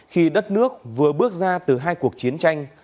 khi đất nước vừa bước ra từ hai cuộc chiến tranh